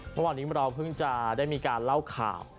เมื่อวานนี้เราเพิ่งจะได้มีการเล่าข่าว